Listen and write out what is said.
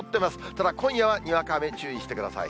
ただ、今夜はにわか雨に注意してください。